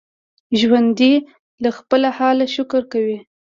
ژوندي له خپل حاله شکر کوي